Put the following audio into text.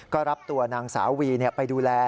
ก็รับตัวนางสาววีไปดูแล